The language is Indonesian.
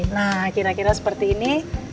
nah kira kira seperti ini